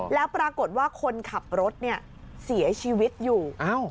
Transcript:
แล้วปรากฏว่าคนขับรถเนี่ยเสียชีวิตอยู่